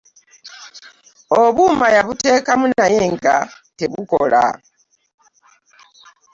Obwauma yabutekamu naye nga tebukola .